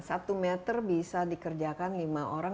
satu meter bisa dikerjakan lima orang